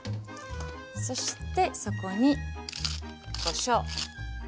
そしてそこにこしょう。